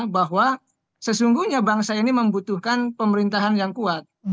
bahwa sesungguhnya bangsa ini membutuhkan pemerintahan yang kuat